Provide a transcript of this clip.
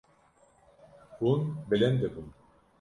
Hûn bilind bûn.